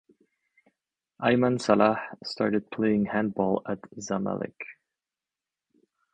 Ayman Salah started playing handball at Zamalek.